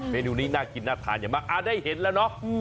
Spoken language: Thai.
เมนูนี้น่ากินน่าทานอย่างมากได้เห็นแล้วเนาะ